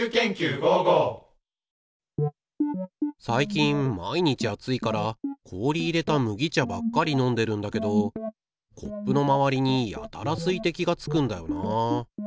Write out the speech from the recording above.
最近毎日暑いから氷入れた麦茶ばっかり飲んでるんだけどコップのまわりにやたら水滴がつくんだよなあ。